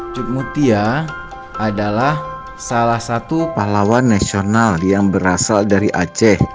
cukmutia adalah salah satu pahlawan nasional yang berasal dari aceh